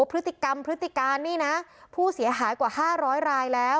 พฤติกรรมพฤติการนี่นะผู้เสียหายกว่า๕๐๐รายแล้ว